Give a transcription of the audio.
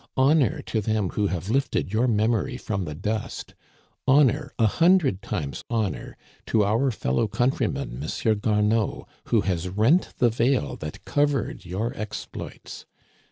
Honor to them who have lifted your memory from the dust ! Honor, a hundred times honor, to our fellow countryman, M. Gameau, who has rent the vail that covered your exploits